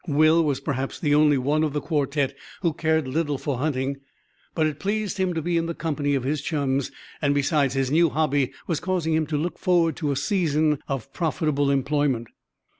Will was perhaps the only one of the quartet who cared little for hunting; but it pleased him to be in the company of his chums, and, besides, his new hobby was causing him to look forward to a season of profitable employment.